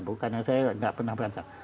bukannya saya nggak pernah merancang